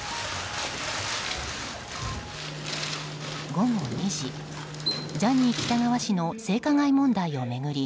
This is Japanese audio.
午後２時、ジャニー喜多川氏の性加害問題を巡り